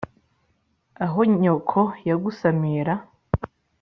aho nyoko yagusamiye ra?